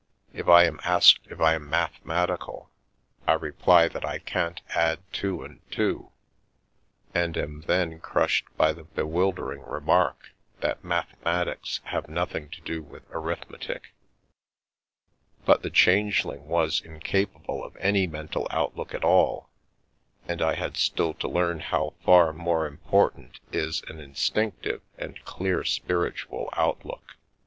If I am asked if I am mathematical, I reply that I can't add two and two, and am then crushed by the bewildering remark that mathematics have nothing to do with arithmetic But the Changeling was incapable of any mental out look at all, and I had still to learn how far more impor tant is an instinctive and clear spiritual outlook.